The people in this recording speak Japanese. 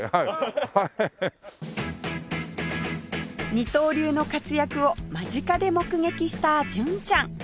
二刀流の活躍を間近で目撃した純ちゃん